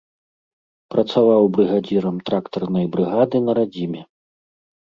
Працаваў брыгадзірам трактарнай брыгады на радзіме.